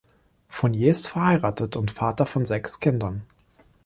Fournier ist verheiratet und Vater von sechs Kindern.